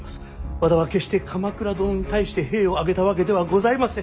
和田は決して鎌倉殿に対して兵を挙げたわけではございません。